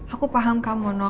aku paham kamu dong